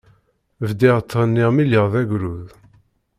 Bdiɣ ttɣenniɣ mi lliɣ d agrud.